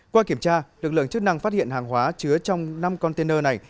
qua kiểm tra lực lượng chức năng phát hiện hàng hóa chứa trong năm container này